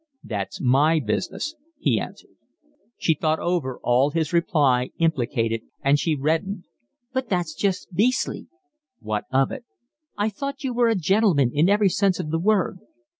"That's my business," he answered. She thought over all his reply implicated, and she reddened. "But that's just beastly." "What of it?" "I thought you were a gentleman in every sense of the word."